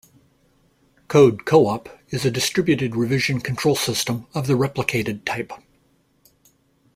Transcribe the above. Code Co-op is a distributed revision control system of the replicated type.